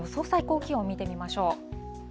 最高気温、見てみましょう。